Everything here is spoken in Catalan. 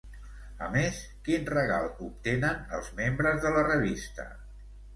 A més, quin regal obtenen els membres de la revista?